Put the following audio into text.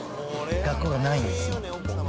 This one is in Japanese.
学校がないんですよ。